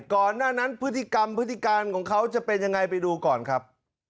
ก่อนหน้านั้นพฤติกรรมพฤติการของเขาจะเป็นยังไงไปดูก่อนครับ